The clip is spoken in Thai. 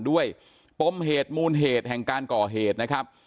ปมเหตุมูลเหตุแห่งการก่อเหตุนะครับ